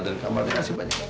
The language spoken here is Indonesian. dan kamarnya masih banyak apa apa